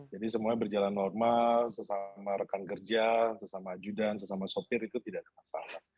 jadi semuanya berjalan normal sesama rekan kerja sesama ajudan sesama sopir itu tidak ada masalah